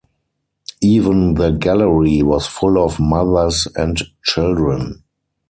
Even the gallery was full of mothers and children.